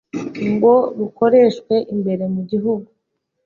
ngo rukoreshwe imbere mu gihugu.